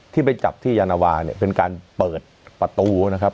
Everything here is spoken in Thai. ที่ไปจับที่ยานาวาเนี่ยเป็นการเปิดประตูนะครับ